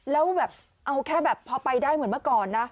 แล้วแบบเอาแค่แบบพอไปได้เหมือนเมื่อก่อนนะ